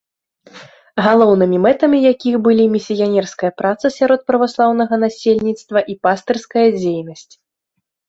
Галоўнымі мэтамі якіх былі місіянерская праца сярод праваслаўнага насельніцтва і пастырская дзейнасць.